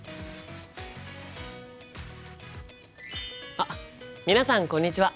あっ皆さんこんにちは！